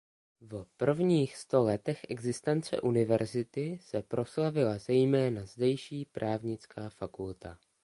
V prvních sto letech existence univerzity se proslavila zejména zdejší právnická fakulta.